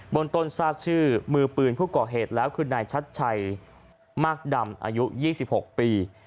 บนต้นทราบชื่อมือปืนผู้ก่อเหตุแล้วคือนายชัดชัยมากดำอายุ๒๖ปี